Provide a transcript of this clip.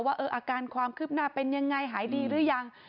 ว่าอาการความคืบหน้าเป็นยังไงหายดีหรือยัง